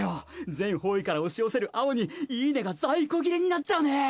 全方位から押し寄せる青にイイネが在庫切れになっちゃうね。